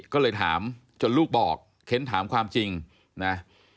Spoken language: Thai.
ก็เลยถามจนลูกบอกเค้นถามความจริงนะ